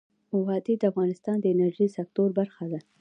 وادي د افغانستان د انرژۍ سکتور برخه ده.